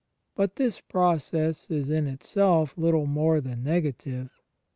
But this process is in itself little more than negative.